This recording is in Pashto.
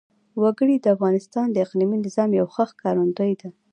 وګړي د افغانستان د اقلیمي نظام یوه ښه ښکارندوی ده.